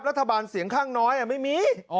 รัฐบาลเสียงข้างน้อยไม่มี